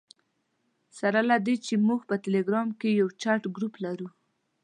سره له دې چې موږ په ټلګرام کې یو چټ ګروپ لرو.